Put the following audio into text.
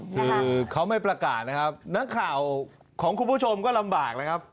คือเขาไม่ประกาศนะครับนักข่าวของคุณผู้ชมก็ลำบากนะครับ